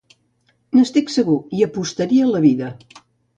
N'estic segur, hi apostaria la vida.